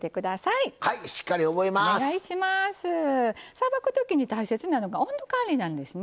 さばく時に大切なのが温度管理なんですね。